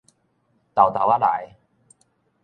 沓沓仔來